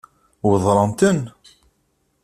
Weddṛent-ten?